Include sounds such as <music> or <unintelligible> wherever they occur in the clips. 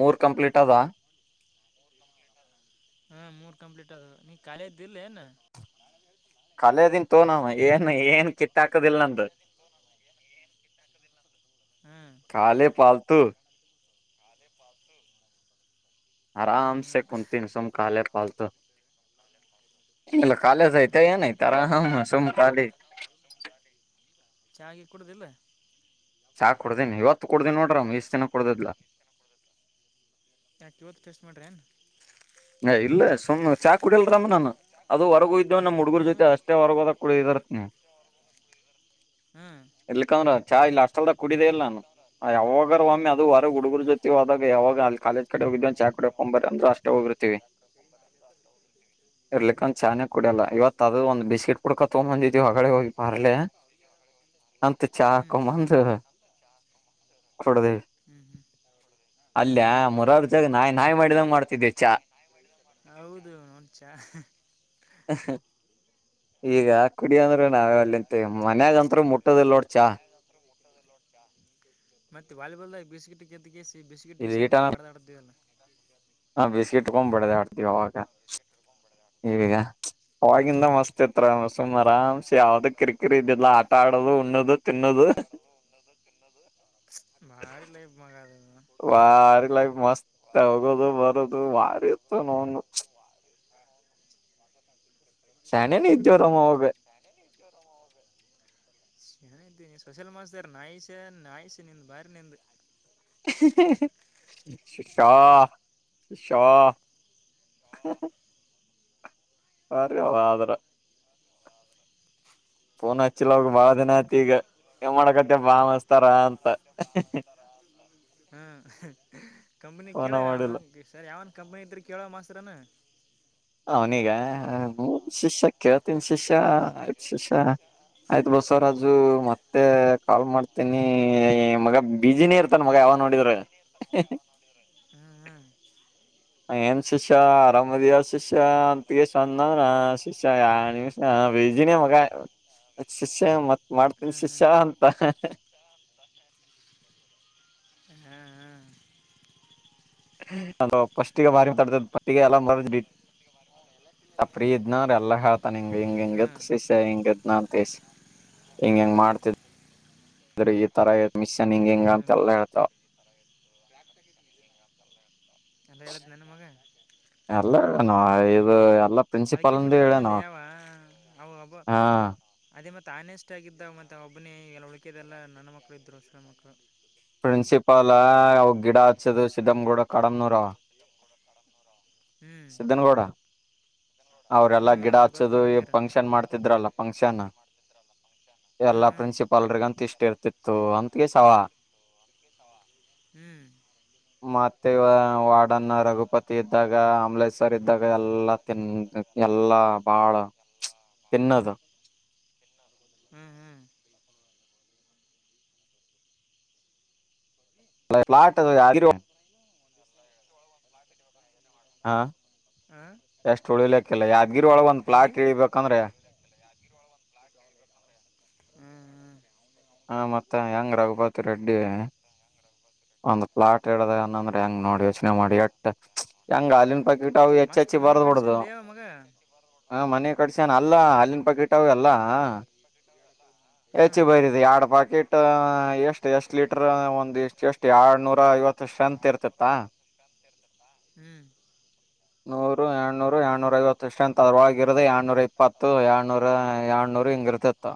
ಮೂರ್ ಕಂಪ್ಲೀಟ್ ಅದಾ. ಹಾ ಮೂರ್ ಕಂಪ್ಲೀಟ್ ಅದ ನೀ <unintelligible> ಏನ್ ಕಾಲದನ್ ತೋ ನವು ಏನ್ ಏನ್ ಕಿತ್ತ ಹಾಕದಿಲ್ಲ ನಂದು ಹ್ಮ್ <inaudible> ಅದೇ ಪತು <unintelligible> ಆರಾಮ ಸೆ ಕುುಂತೀನ್ ಸುಂಕ <unintelligible> ಕಾಲೇಜು ಆಯ್ತಾ ಹ್ಮ್ ಏನಾಯ್ತು ಆರಾಮ್ ಸುಮ್ಕ ಖಾಲಿ ಕೊಡದಿಲ್ಲ ಚಾಕ್ ಕುಡ್ದನಿ ಇವತ್ತು ಕುಡ್ದಿ ನೋಡ್ರ್ ಇಷ್ಟ್ ಜನ ಕುಡದ್ <unintelligible> ಕ್ಯುವತ್ ಟಸ್ಟ್ಮೆಟ್ನ್ <unintelligible> ಸುಮ್ಮ್ ಚಾ ಕುಡಿಲ್ರಾಮ್ ನಾನ ಅದು ಹೊರಗೂ ಇದ್ದ <unintelligible> ಇ ನಮ್ಮ ಹುಡುಗರ ಜೊತೆ ಹ್ಮ್ ಅಷ್ಟೇ ಹೊರಗೋದ ಕೂಡ ಇದರತ್ ನೀ ಹ್ಮ್ ಎಲ್ಕಂದ್ರ ಚಾ ಇಲ್ಲ ಲ ಅಷ್ಟಟಲ್ದ ಕುಡಿದೆೇ ಇಲ್ಲ ನಾನು ಅಯ್ಯಾ ಹೋಗರ ಒಮ್ಮೆ ಅದು ಹುಡುಗರು ಜೊತೆ ಹದಾಗ ಯಾವಾಗ ಅಲ್ಲಿ ಕಾಲೇಜ್ ಕಡೆ ಹೋಗಿದ್ದವ ಚಾ ಕಡೆೋಗಕೊಂಬರ ಅ್ರ ಅಷ್ಟೇ ಹೋಗಿತಿ <unintelligible> ಹ್ಮ್ ಹ್ಮ್ ಇರ್ಲಿಕ್ಕಂದ ಚಾನೇ ಕುಡಿಯಲ್ಲ ಇವತ್ ಅದು ಒಂದ ಬಿಸ್ಕಿಟ್ ಕುಡ್ಕೊತ್ಗ ಬಂದಿದೀವಿ ಹೊಗಳ ಹೋಗಿ ಬಾರ್ಲೆ ಅಂತ ಚಾ ಹ್ಮ್ ಹಾಕೊಂಬಂದ ಕೊಡದೇವಿ ಹ್ಮ್ ಹ್ಮ್ ಅಲ್ಲಿಯ ಮೂರಾರ <unintelligible> ನಾಯಿ ನಾಯಿ ಮಾಡಿದಂಗ ಮಾಡ್ತಿದ್ದೆ ಚಾ <unintelligible> ಹೌದು ನೋಡ್ಚಾ <unintelligible> ಈಗ ಕುಡ ಅಂದ್ರೆ ನಾವೆ ಅಲ್ಲಿಂತ ಮನೆ ಗಂತು ಮುಟ್ಟದಲ್ ನೋಡ್ ಚಾ <unintelligible> ಮತ್ತೆ ವಾಲಿಬಾಲ್ ಬಿಸಟ್ ದ್ದ <unintelligible> ಈ ಬಿಸಿಗೆಟಿಗೆ ಸ ಬದಡತದಲ್ಲ ಹಾ ಬಿಸ್ಕಿಟ್ಕೊಂಡ್ಬಡಿದೆ ಹೊಡ್ತವಿ ಅವಾಗ ಈವಗ ಅವವಾಗಿಂದ ಮಸ್ತ್ ಇತ್ರ ಸುಮ್ ಆರಾಮ್ಸ ಯಾವ್ದ ಕಿರಿಕಿರಿ ಇದಾ <unintelligible> <unintelligible> ಲೈಫ್ ವಾರಿಗ್ ಲೈ ಮಸ್ತ್ ಹೋಗೋದು ಬರೋದು ವಾರಿ ಇತ್ತು ನೋ <unintelligible> <unintelligible> ಶಣ ನೀ ಜರಾಮ ಹೋಗ ಚನ ಇದ್ದೀನಿ ಸೊಸಲ್ ಮಾಸ್ದರ್ ನಾಯಸ ನಾಯಸ ನಿಂದ ಬಾರಿ ನಿಂದ <unintelligible> <unintelligible> ಶ ಶಾಶಾ ಸರಿ ಆದ್ರ <unintelligible> ಫೋನ್ ಹಚ್ಚಿಲ್ಲ ಬಹಳ ದಿನ ಆತಿ ಈಗ ಮಾಡಕತ್ತ ಬಾ ಮಸ್ತಾರ ಅಂತ ಹ್ಮ್ ಕಂಪ್ನಿ ಕೇಳ ಫೋನೆ ಅವನ ಮಾಡಿಲ್ಲ ಸರ್ ಯಾವನ್ ಕಂಪ್ನಿ ಇದ್ದ್ರ ಕೇಳೋ ಮಾಸ್ರನಾ ಅವನಗ ಶಿಷ್ಯ ಕೇಳ್ತನ್ ಶಿಷ್ಯ ಆಯ್ತು ಶಿಷ್ಯ ಆಯ್ತು ಬಸವರಾಜು ಮತ್ತೆ ಕಾಲ್ ಮಾಡ್ತೀನಿ ಮಗ ಬಿಜಿನೇ ಇರ್ತಾನ ಮಗ ಯಾವ ನೋಡಿದ್ರ <unintelligible> ಹ್ಮ್ ಹ್ಮ ಏನ್ ಶಿಷ್ಯ ಆರಾಮದಿಯ ಶಿಷ್ಯ ಶ <unintelligible> ಅಂತಗೆಂದ ಶಿಷ <unintelligible> ಯ ನಿಮಿಷ ವೇಜಿನ ಮ <unintelligible> ಶಿಷ್ಯ ಮತ್ತೆ ಮಾಡ್ತೀನ್ ಹ್ಮ್ ಶಿಷ್ಯ ಹ್ಮ್ ಅಂತ ಹಾಂ ಹಾ ಅ ಪಸ್ <unintelligible> ಗೆ ಮಾರಿ ಮಾತಾಡತ ಪಟ್ಟಿಗೆ ಎಲ್ಲ ಮರದ್ ಬಿಟ್ಟ ಅಪ್ರ ಇದ್ನ್ರ ಎಲ್ಲ ಹತ <unintelligible> <unintelligible> ನಂಗ ಹೆಂಗ ಹೆಂಗ ಹ್ಮ್ ಶೇಷ್ಯ ಹೆಂಗ ನನ್ ಹಿಂಗ ಹೆಂಗ್ ಮಾಡ್ತಿದ್್ರ <unintelligible> ಈ ತರ ಇ ಮಿಶನ್ ಹಿಂಗ ಹಿಂಗ ಅಂತೆ ಎಲ್ಲಾ ಹೇಳ್ತಾವ ಎಲ್ಲ ಹೇಳಿದ್ ಏನುಮಗ ಅಲ್ಲ ನಾ ಇದು ಎಲ್ಲಾ ಪ್ರಿನ್ಸಿಪಾಲ್ ಅದಕಿ ಅಂದ ಬಿಟ್ಟು ಹೇಳೇನವ ಅಂದಲ್ಲಿ ಅವ ಅಬ್ಬ ಹಾ ಅದೇ ಮತ್ತೆ ತಾನೇ ಇಷ್ಟಗಿದ್ದ ಮತ್ತು ಒಬ್ಬನಿ ಎಲ್ಲ ಉಳಕೆದೆಲ್ಲ ನನ್ನ ಮಕ್ಕಳು ಇದ್ದರು ಹಸರ ಮಕ್ಕಳು ಪ್ರಿನ್ಸಿಪಲ್ ಅವ ಗಿಡ ಹಚ್ಚದು ಸ್ಧಂ್ ಕೂಡ ಕಡಮ್ನೂರ ಹ್ಮ್ ಸಿಿದ್ದನಗೌಡ ಅವ್ರಲ್ಲಾ ಹ್ಮ್ ಗಿಡ ಅದ ಗೊತ್ತು ಹಚ್ಚದು ಕಡಮಗಿರ ಫಂಕ್ಷನ್ ಮಾಡ್ತಿದ್ರಲ್ಲ ಫಂಕ್ಷನ್ ಹ್ಮ್ ಎಲ್ಲಾ ಪ್ರಿನ್ಸಿಪಾಲ್ರಿಗಂತ ಇಷ್ಟ ಇರ್ತಿತ್ತು ಅಂತಗೆ ಸವಾ ಹ್ಮ್ ಹ್ಮ್ ಮತ್ ಮತ್ತ ವಾಡನ್ನ ರಘುಪತಿ ಇದ್ದಾಗ ಕಮಲೇಶ್ವರ್ ಇದ್ದಾಗ ಎಲ್ಲಾ ತಿನ್ ಎಲ್ಲಾ ಬಾಳ ತಿನ್ನದು ಹ್ಮ್ ಹ್ಮ್ ಪಾಟ್ ಎಡಿ ರೂಮ್ <unintelligible> <unintelligible> <inaudible> ಹಾ ಹ ಎಷ್ಟ ಉಳಿಲಿಕ್ಕೆಿಲ್ಲ ಯಾದ್ಗಿರ ಒಳಗ ಒಂದ ಎಲ್ಲಿ ಪ್ಲಾಟ್ ಇಳಿಬೇಕಂದ್ರೆ <unintelligible> ಹ್ಮ್ ಹ್ಮ ಹ ಮತ್ತೆ ಹೆಂಗ್ ರಘುಪತಿ ರೆಡ್ಡಿ ಒಂದು್ ಪ್ಲಾಟ್ ಹೇಳ್ದ ಅಂದ್ರೆ ಹೆಂಗ್ ನೋಡಿ ಯೋಚನೆ ಮಾಡಿ ಎಟ್ಟ ಹೆಂಗ ಅಾಲನ್ ಪಕಿಟ್ ಅವು ಹೆಚ್ಚ ಮಸ್ತ್ ಹೆಚ್ಚಿ ಮನಿ ಬರ್ದ್ ಬಿಡ್ದ ಕಡಿಸನ್ ಲೇ ಮಗ ಹ ಮನೆ ಕಡಸ ಅಲ್ಲ ಹ ಅಲ್ಲಿನ ಪಕೀಟವು ಎಲ್ಲಾ ಹೆಚ್ಚು ಹ್ಮ್ ಬೈರಿತಿ ಎರಡ್ ಪಾಕೆಟ್ ಎಷ್ಟ್ ಎಷ್ಟ ಲೀಟರ್ ಒಂದ ಇಷ್ಟ ಎಷ್ಟು ಎರಡ್ನೂರ ಐವತ್ತುಷ್ಟಂತ ಇರ್ತಿತ್ತ ಹ್ಮ್ ನೂರು ಎಏನೂರು ಎರನೂರ ಐವತ್ತುಷ್ಟು ಅಂತ ಅದವಾಗಿರದ ಏನೂರ ಇಪ್ಪತ್ತು ಎರನೂರ ಏಳ್ನೂರು ಹಿಂಗಿರ್ತಿತ್ತು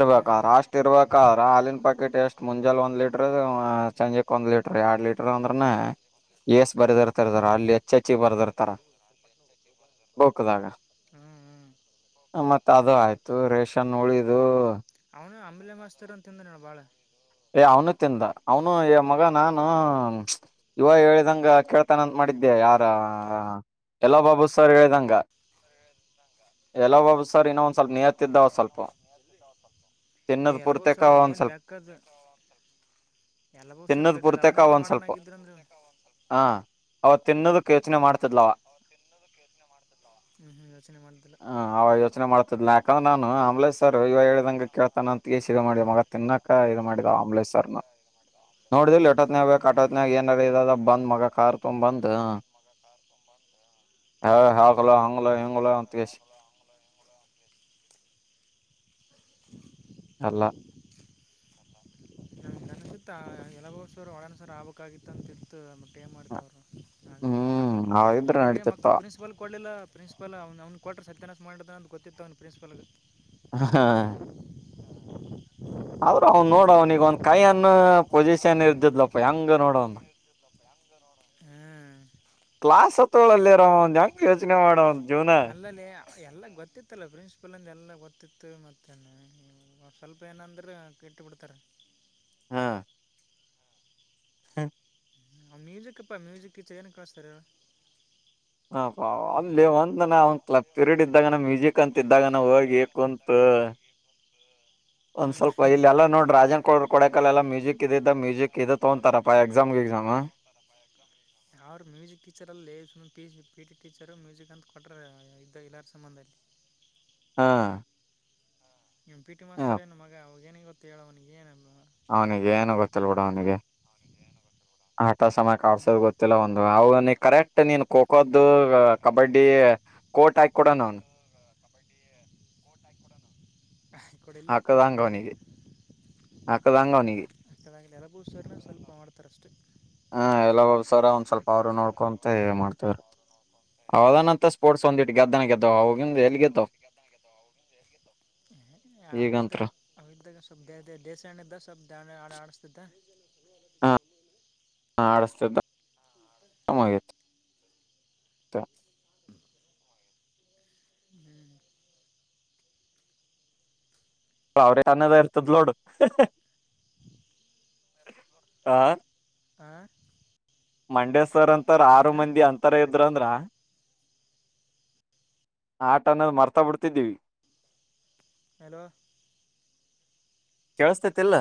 ಹ್ಮ್ ರ ಹ್ಮ್ ಅಷ್ಟ್ ಇರ್ಬ ಹಾಲನ್ ಪ್ಯಾಕೆಟ್ ಎಷ್ಟು ಮುಂಜಲ್ೆ ಒಂದ್ ಲೀಟರ್ ಸಂಜೆಕ್ ಒಂದ್ ಲೀಟರ್ ಎರಡ್ ಲೀಟರ್ ಅಂದ್ರನ ಎಸ್ ಬರದಿ ಇರ್ತರ್ತಾರ ಅಲ್ಲಿ ಹೆಚ್ ಹೆಚ್ಿ ಬರ್ದಿರ್ತಾರ ಬಕ್ದಾಗ ಹ್ಮ್ ಹ್ಮ್ ಮತ್ತ ಅದು ಆಯ್ತು ರೇಷನ್ ಉಳಿದ ಹ ಅವನ ಅಂಬೇಲೆ ಮಾಸ್ತರ್ ಅಂತಂದ್ರ ನ ಭಾಳ ಏ ಅವ್ನು ತಿಂದ ಅವನು ಮಗ ನಾನು ಯುವ ಹೇಳಿದಂಗ ಕೇಳ್ತಾನಂತ ಮಾಡಿದ್ದೆ ಯಾರ ಎಲ್ಲೋ ಬಾಬು ಸರ್ ಹೇಳಿದಂಗ ಎಲ್ಲ ಒಬ ಸರ್ ಇನ್ನ ಒಂದ್ ಸ್ವಲ್ಪ ನೀತ್ತಿದ್ದ ಒ ಸ್ವಲ್ಪ ತಿನ್ನದ್ ಪೂರ್ತಕ ಒಂದ್ ಸ್ವಲ್ಪ ಎಲ್ಲ ಬೋಸರ್ ತಿನ್ನದ್ ಬೇಕಾದ ಪೂರ್ತಕ ಅವನಾರ ಒಂದ್ ಸ್ವಲ್ಪ ಮಾಡಡನಾಗಿದ್ರಂದ ತಿನ್ನೋದಕ್ಕೆ ಯೋಚನೆ ಮಾಡ <unintelligible> ಹ್ಮ್ ಯೋಚನೆ ಮಾಡುದಿಲ್ಲ ಲ್ಲಾಕನ್ನ ಆಂಬ್ಲ್ ಸರ್ ಇವ ಹೇಳಂಗೆ ಕೇಳ್ತಾನ ಅಂತ ಇ ಮಾಡ ಮಗ ತಿನ್ನಕ್ಕ ಇದು ಮಾಡ ಆಂಬ್ಲೇಶ್ವರ್ನ ನೋಡಿದಿ ಎಟತ್ನಾಗ ಬೇಕಕ್ ಹ್ಮ್ ಅಟತ್ನಯಾಗ ಹ್ಮ್ ಏನ್ಡ ಅದ ಬಂದ್ ಮಗ ಕಾರ್ ತೊ್ ಬಂದ ಹಗ್ಲ ಹಂಗ್ಲ ಹಂಗಲ ಅಂತ ಅಲ್ಲ ನನ ಗೊತ್ತು ಇನ್ನೊಬ ಸರ್ ಒಳನ ಸರ್ ಆಗ್ಬೇಕಾಗಿತ್ತು ಅಂತಿತ್ತು ಮತ್ತ ಟೇ ಮಾಡ್ತವರು ಆಗಲಿಲ್ಲ ಹ್ಮ್ ಆ ಇದ್ರ ಇವರೇ ನಡೀತಿತ್ತ ಮಕ್ಕಳು ಪ್ರಿನ್ಸಿಪಲ್ಗೆ ಕೊಡಲಿಲ್ಲ ಪ್ರಿನ್ಸ್ಪಲ್ ಅವನವನ ಕೊಟ್ರ ಸತ್ಯಾನಾಸ ಮಾಡ್ದಾನ ಅಂದು ಗೊತ್ತತ್ತು ಅವನಗ ಪ್ರಿನ್ಸ್ಪಲ್ಗೆ ಹಾ ಆದ್ರೂ ಅವನ್ ನೋಡ ಅವ್ನ ಈಗ ಒಂದ ಕೈ ಅನ್ನು ಪೊಸಿಷನ್ ಇದ್ದಿದಪ್ಪ ಹೆಂಗ ನೋಡವನ್ ಹ್ಮ್ ಕ್ಲಾಸ್ ಹತ್ತಲ್ಲರಮ್ಮ ಒಂದ್ ಹೆಂಗ ಯೋಚನೆ ಮಾಡಂದು ಅಲ್ಲಲೇ ಎಲ್ಲ ಗೊತ್ತಿತ್ತಲ್ಲ ಪ್ರಿನ್ಸಿಪಲಂದ ಎಲ್ಲ ಗೊತ್ತಿತ್ತು ಮತ್ತೇನು ಸ್ವಲ್ಪ ಏನಂದ್ರೆ ಕೆಟ್ಟು ಬಿಡ್ತಾರೆ ಹಾ ಹ್ಮ ಮ್ಯೂಜಿಕ್ಪ್ಪಾ ಮ್ಯೂಜಿಕ್ ಚೈನ್ ಕಳಿಸ್ತಾರೇನ್ ಹಾ ಅಪ್ಪ ಅಲ್ಲೇ ಒಂದಾನ ಕ್ಲಬ್ ಪಿರಿಯಡ್ ಇದ್ದಾಗ ನ ಮ್ಯೂಸಿಕ್ ಅಂತ ಇದಿದ್ದಾಗ ನ ಹೋಗಿ ಕುಂತು ಒಂದ್ ಹ್ಞೂ ಸ್ವಲ್ಪ ಇಲ್ಲೆಲ್ಲಾ ನೋಡ್ರ ರಾಜನ್ ಕೊಡರು ಕೊಡಕಲ್ಲ ಎಲ್ಲ ಮ್ಯೂಸಿಕ್ ಇದಿದ್ದ ಮ್ಯೂಸಿಕ್ ಇದೆ ತಗೊತಾರಪ್ಪ ಪ ಎಕ್ಸಾಮ್ಗೆ ಎಕ್ಸಾಮಾ ಯಾರ ಮ್ಯೂಸಿಕ್ ಟೀಚರಲ್ಲಿ ಸುಮ್ಮ ಪಿ ಟಿ ಟೀಚರು ಮ್ಯೂಸಿಕ್ ಅಂತ ಕೊಟ್ಟ್ರ ಇದ್ದ ಇಲ್ಲಾರ ಸಂಬಂಧಅಲ್ಲಿ ಹಾ ಇವ್ನು ಪಿ ಟಿ ಮಾಸ್ತರ ಏನ್ ಮಗ ಏನಿ ಗೊತ್ತ ಹೇಳವನಿಗೆ ಏನ ಅವನಿಗೆ ಏನು ಗೊತ್ತಿಲ್ಲ ಬಿಡ್ ಅವನಿಗೆ ಆಟ ಸಮಯ ಆಡ್ಸೋದು ಗೊತ್ತಿಲ್ಲ ಒಂದು ಅವನ ಕರೆಕ್ಟ್ ನೀನ್ ಖೋ ಖೋದು ಕಬಡ್ಡಿ ಕೋಟ್ ಹಾಕಿ ಕೊಡಾನ ಅವನು ಕೊಡು ಇಲ್ಲೇ ಕೊಡ್ತಾನೆ ಹಕದಾಂಗ ಮಗ ಅವನಿಗೆ ಹಕದಂಗ ಅವನಿಗೆ <unintelligible> ಹಾ ಎಲ್ಲ ಸರ್ ಒಂದ್ ಸ್ವಲ್ಪ ಅವರು ನೋಡ್ ಅವದಾನಂತ ಸ್ಪೋರ್ಟ್ಸ್ ಒಂದಿಟ್ಟು ಗೆದ್ದನ ಗೆದ್ದಾವ ಅವಗಿಂದ ಎಲ್ಲಿ ಗೆದ್ದಾವ ಅವ ಈಗಂತ್ರ ಇದಾಗೆ ಅವ ಇದಾಗೆ ಸ್ವಲ್ಪ್ ದಾನೆ ಆಡಿಸಿದ <unintelligible> ಹಾ ಆಡಸ್ತಿದ <unintelligible> <unintelligible> ಅವ್ರೇ ಅನ್ನದ ಇರ್ತದ ನೋಡು ಆ ಮಂಡ್ಯ ಸರ್ ಅಂತ ಅಂತ ಆರು ಮಂದಿ ಅಂತರ ಇದ್ರರು ಅಂದ್ರ ಆಟ ಅನ್ನೋದು ಮರ್ತಾ ಬಿಡ್ತಿದ್ದೀವಿ ಹಲೋ ಕೇಳಿಸತೈತಿಲ್ಲ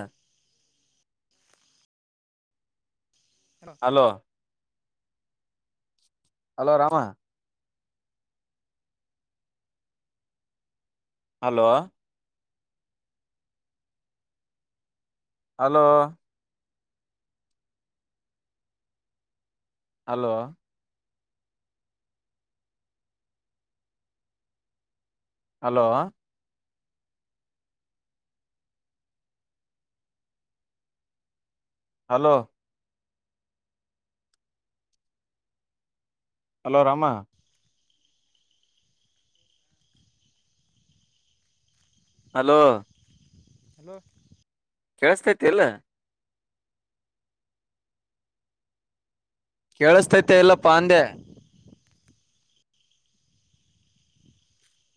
hello hello Rama hello hello hello hello hello hello Rama hello hello ಕೇಳಸ್ತೈತಿ ಇಲ್ಲ ಕೇಳಸ್ತೈತೆ ಎಲ್ಲಪ್ಪಾ ಅಂದೆ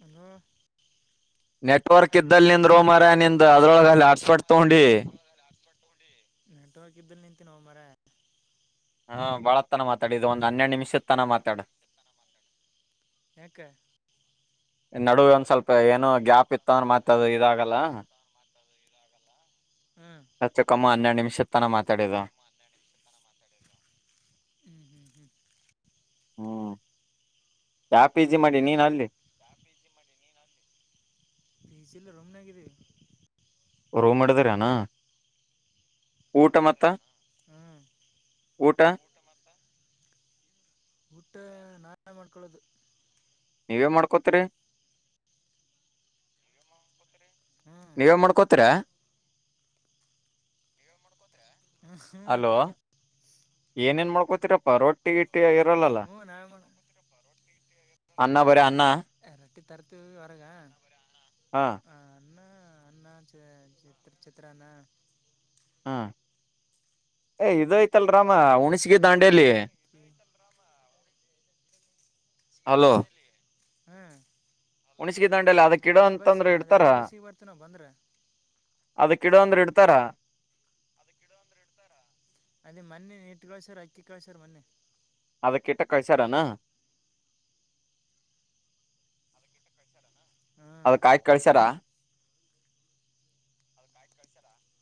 <unintelligible> ನೆಟ್ವರ್ಕ್ ಇದ್ದಲ್ ನಿಂದ್ ರೋಮ್ ನಿಂದ ಅದ್ರೊಳಗೆ ಅಲ್ಲಿ ಹಾಟ್ ಸ್ಪಾಟ್ ತಗೊಂಡಿ ನೆಟ್ವರ್ಕ್ ಇದ್ದಲ್ಲಿ ನಿಂತೀನೋ ಮಾರಾಯ ಹಾ ಬಾಳ ತನ ಮಾತಾಡಿ ಇದು ಒಂದ್ ಹನ್ನೆರಡು ನಿಮಿಷದ ತನ ಮಾತಾಡ ಯಾಕ ನಡುವ ಒಂದ್ ಸ್ವಲ್ಪ ಏನೋ ಗ್ಯಾಪ್ ಇತ್ತನ್ ಮತ್ತ ಅದು ಇದಾಗಲ್ಲ ಹ್ಞೂ <unintelligible> ಹನ್ನೆರಡು ನಿಮಿಷದ ತಾನ ಮಾತಾಡದ ಹ್ಮ್ ಹ್ಮ್ ಹ್ಮ್ ಹ್ಮ್ ಯಾವ ಪಿ ಜಿ ಮಾಡಿ ನೀನ್ ಅಲ್ಲಿ ಪಿ ಜಿ ಇಲ್ಲ ರೂಮ್ನಗಿದೀವಿ ರೋಮ್ ಮಾಡದರೇನು ಊಟ ಮತ್ತ ಹ್ಮ್ ಊಟ <inaudible> ಊಟ ನಾವೇ ಮಾಡ್ಕೊಳ್ಳೋದು ನೀವೇ ಮಾಡ್ಕೋತರಿ ಹ್ಮ್ ನೀವೇ ಮಾಡ್ಕೋತೀರ ಹ್ಮ್ ಹ್ಮ್ ಹಲೋ ಮತ್ತೆ <inaudible> ಏನ್ ಏನ್ ಮಾಡ್ಕೊತ <unintelligible> ಇರಲ್ಲಲ್ಲ ಹ್ಞೂ ನಾವೇ ಮಾಡ <inaudible> ಅನ್ನ ಬರೆ ಅನ್ನ ಏ, ರೊಟ್ಟಿ ತರ್ತೀವಿ ಹೊರಗ ಹಾ ಆ, ಅನ್ನ ಅನ್ನ ಚಿತ್ರಾನ್ನ ಹಾ <inaudible> ಹೇ ಇದಾಯ್ತ <unintelligible> ಉಣಸಗ ಉಪ್ಪಿಟ್ಟು ದಾಂಡಲಿ ಅವಲಕ್ಕಿ ಹಲೋ ಹ್ಮ್ ಉಣಸಿಗೆ ದಂಡಲ್ಲಿ ಅದಕ್ಕಿಡ ಅದೇ ಬಸ್ ಅಂತಂದ್ರ ಅದೇ ಇಡ್ತಾರ ಅದೇ ಬಸ್ಸಿಗೆ ಬರ್ತೀವಿ ನಾವು ಬಂದ್ರೆ ಅದಕ್ಕಿಡ ಅಂದ್ರ ಇಡ್ತಾರ ಅದೇ ಮೊನ್ನೆ ಇತ್ತ್ ಕಳಸರ್ ಅಕ್ಕಿ ಕಳಸರ್ ಮೊನ್ನೆ ಅದಿಕ್ಕೆ ಇತ್ತ್ ಕಳ್ಸಾರಾನ ಹ್ಮ್ ಅದಿಕ್ಕೆ ಹಾಕಿ ಕಳ್ಸ್ಯಾರ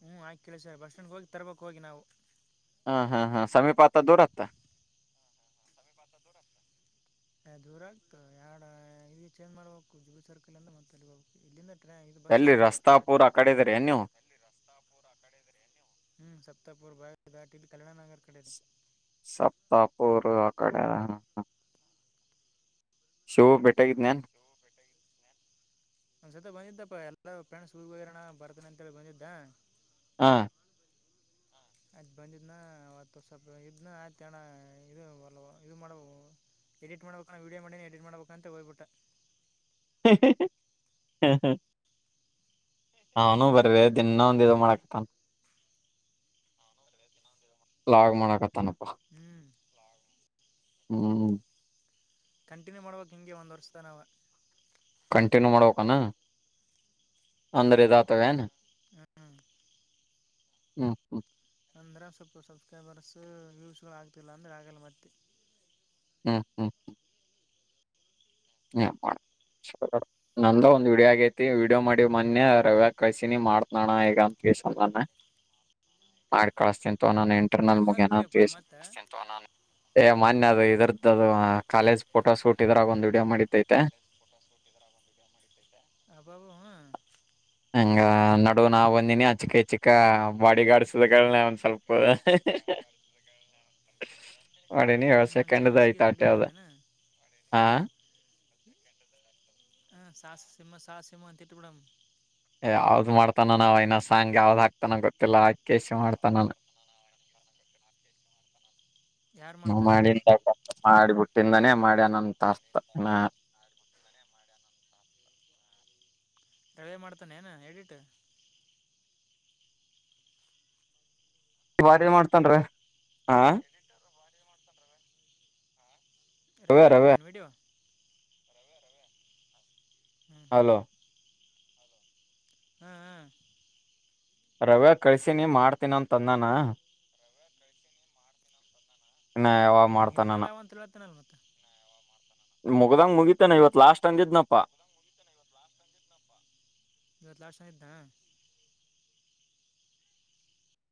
ಹ್ಮ್ ಹಾಕಿ ಕೇಳಸರ ಬಸ್ ಸ್ಟ್ಯಾಂಡ್ಗೆ ಹೋಗಿ ತರ್ಬಕ್ ಹೋಗಿ ನಾವು ಹಾ ಹಾ ಹಾ ಸಮೀಪ ಆತ್ತ ದೂರತ್ತ ಹಾ ದೂರ ಆಗ್ತು ಎರಡು ಚೇಂಜ್ ಮಾಡ್ಬೇಕು ಜುಗಿ ಸರ್ಕಲ್ ಅಂದ ಮತ್ತೆಬೇಕು ಇಲ್ಲಿಂದ ಟ್ರೈ ಇದು ಬಸ್ ಎಲ್ಲಿ ಡೈರೆಕ್ಟ್ ಹೋಗ್ಬೇಕು ರಸ್ತಾಪೂರಾ ಕಡೆದೀರಿ ನೀವು ಹ್ಮ್ <unintelligible> ಕಡೆ ಇದೆ ಸಪ್ತಾಪುರ್ ಕಡೆ ಹಾ ಹಾ ಶಿವು ಭೇಟಿಯಾಗಿದೇನು ಒಂದ್ ಸತ ಬಂದಿದ್ದಪ್ಪ ಎಲ್ಲ ಫ್ರೆಂಡ್ಸ್ ಊರಿಗೆ ಹೋಗರಣ್ಣ ಬರ್ತಾನ ಅಂತೇಳಿ ಬಂದಿದ್ದ ಹಾ. <inaudible> ಆಯ್ತು, ಬಂದಿದ್ದನ, ಅವತ್ತು, ಸ್ವಲ್ಪ ಇದನ್ನ ಆಯ್ತ ಅಣ್ಣ ಇದು ಒಲ್ಲ, ಇದು ಮಾಡು, ಎಡಿಟ್ ಮಾಡ್ಬೇಕಾನ, ವೀಡಿಯೋ, ಮಾಡನೇ ಎಡಿಟ್ ಮಾಡ್ಬೇಕಂತ ಹೋಗ್ಬಿಟ. <inaudible> ಹಾ, ಹಾ. <unintelligible> ನಾನು, ಹೊರಗಡೆ, ಇದೀನಿ, ನಾನು, ಏನುಮಾದಾಕುಕರುತ್ತನ. <inaudible> ಲಾಗ್, ಮಾಡಕತ್ತನ. <inaudible> ಹ್ಮ್.. <inaudible> ಹ್ಮ್.. <inaudible> ಕಂಟಿನ್ಯೂ, ಮಾಡ್ಬೇಕು, ಹಿಂಗೆ ಒಂದು ವರ್ಷದ ನಾವ. <inaudible> ಕಂಟಿನ್ಯೂ, ಮಾಡೋಕಣ, ಅಂದ್ರೆ, ಇಧ್ಯೈತವೇನು. <inaudible> ಹ್ಮ್.. <inaudible> ಹ್ಮ್, ಹ್ಮ್ಮ್. <inaudible> ಅಂದ್ರೆ, ಸ್ವಲ್ಪ ಸಬ್ಸ್ಕ್ರೈಬರ್ಸ್ ವ್ಯೂಸ್ಗಳುಾಗಗ್ತಿಲ್ಲ, ಅಂದರೆೆ, ಆಗಲ್ಲ ಮತ್ತೆ. <unintelligible> ಹ್ಮ, ಹ್ಮ್, ಹ್ಮ್. <inaudible> ಹ, ಹ ಮಾಡ ನಂದು, ಒಂದು, ಆಗೈತಿ ವಿಡಿಯೋ, ಮಾಡಿ, ಮೊನ್ನಯ ರವಿಗೆ, ಕಳ್ಸಿನಿ ಮಾಡ್ತನೋಣ, ಈಗ ಅಂತ ಸಾನ ಮಾಡಿ ಕಳಸ್ತ. <inaudible> ನಾನು, ನೆಟ್ಟರು ಬಗ್ಗೆ, ನನಗೆ, ಯಾವ್ದು ವೀಡಿಯೋಪ್ಪ ಎನ್ಯಾಡರುತ್ತಿಲಿಷಿ. ಮತ್ತೆ <inaudible> ಮಾನ್ಯ, ಅದು ಇದ್ರದ್ದದು, ಕಾಲೇಜೆಪೋಟೋಶೂಟ್, ಶೂಟ್ ಇದ್ರಾಗ ಒಂದು. <inaudible> ಫಿಲ್ನನಡಿತಾಥ. <inaudible> ಅಬ್ಬಾಬ, ಹು. <inaudible> ನಡು, ನಾವ್, ಬಂದಿನಿ, ಅಚಿಕ ಹೆಚ್ಚಿಕ, ಬಾಡಿಗಾರ್ಡ್ ಶಿಲೆಗಳು, ಒಂದ್ ಸ್ವಲ್ಪ. <inaudible> ನಡಿನಿ, ಹ್ಞೂ ಏಳ್ ಹ್ಞೂ ಸೆಕೆಂಡ್ದ, ಆಯ್ತ ಜಮಸ್ಗೀಸ್ ರೆಡಿ ಆಟ್ಯಾವದ ಹಾ. <inaudible> ಹ, ಸಾ, ಸಿ, ಸಾ, ಸಿಮ, ತಿಟುಬಡಾಮ. <inaudible> ಯಾವ್ದ್, ಮಾಡ್ತಾನ! ನಾವು, ಸಾಂಗ್ ಯಾವ್ದ್ ಹಾಕ್ತಾನ ಗೊತ್ತಿಲ್ಲಾ ಆಕೆಸ ಮಾಡ್ತಾನಾ. <inaudible> ಯಾರು ಹ, ಮಾಡ್ತಾರೆ ಮಾಡಿನಿ, ಸ್ವಲ್ಪ, ಸ್ವಲ್ಪ. <inaudible> ಮಾಡಿಬಿಟ್ಟಿಂದಾನೇ, ಮಾಡಿ, ಅನಂತ ಆಸ್ತ, ಹ್ಮ್ಮ್. <inaudible> ಕೆಳವೆ, ಮಾಡ್ತಾನೆ, ಏನು, ಎಡಿಟ್. <inaudible> ಬಾರಿ, ಮಾಡುತಾನೇರಿ? <inaudible> ರವ್ಯ ರವ್ಯ ರವಿಗೀಕಿಧಾನ, ವಿೆಡಿಯೋ. <inaudible> ಹಲೋ.. <inaudible> ಹಾ, ಹ. <unintelligible> ರವೆ, ಕಳ್ಸನೀ, ಮಾಡುತೀನಿಯಂಧನ್ನ. <inaudible> ಇನ್ನ, ಯಾವಾಗ, ಮಾಡ್ತಾನಾನ. <inaudible> ಇನ್ನೇನ್ ಮತ್ತೆ. <inaudible> ಮುಗದ್, ಮುಗಿತೇನು, ಇವತ್ತು, ಲಸ್ಟ್, ಅಂದೀ ನಪ್ಪ. <inaudible> ಇವತ್ತು, ಲಾಸ್ಟ್, ಅಂದಿಧಾನ. <inaudible>